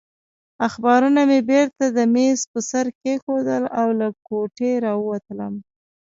اخبارونه مې بېرته د مېز پر سر کېښودل او له کوټې راووتلم.